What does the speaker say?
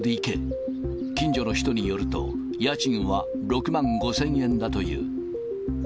近所の人によると、家賃は６万５０００円だという。